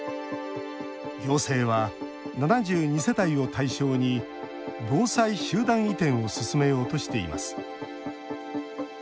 行政は７２世帯を対象に防災集団移転を進めようとしています。